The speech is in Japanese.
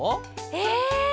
え？